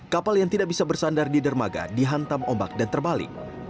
kapal yang tidak bisa bersandar di dermaga dihantam ombak dan terbalik